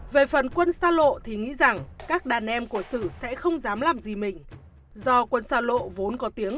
về phần quân xa lộ thì nghĩ rằng các đàn em của sử sẽ không dám làm gì mình do quân xa lộ vốn có tiếng